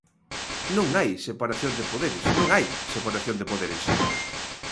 Non hai separación de poderes, non hai separación de poderes.